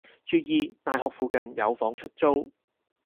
注意！大學附近有房出租